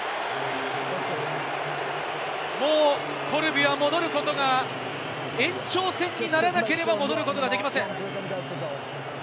もうコルビは戻ることが、延長戦にならなければ戻ることができません。